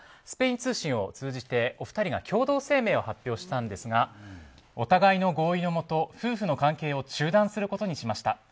スペイン通信を通じて、お二人が共同声明を発表したんですがお互いの合意のもと夫婦の関係を中断することにしました。